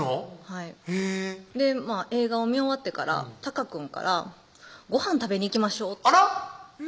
はいで映画を見終わってから隆くんから「ごはん食べに行きましょう」ってあら？